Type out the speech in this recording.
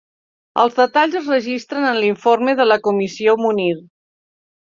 Els detalls es registren en l'Informe de la comissió Munir.